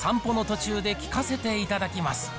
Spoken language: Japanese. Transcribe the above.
アンミカが散歩の途中で聞かせていただきます。